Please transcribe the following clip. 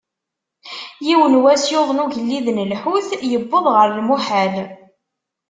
Yiwen n wass, yuḍen ugellid n lḥut, yewweḍ γer lmuḥal.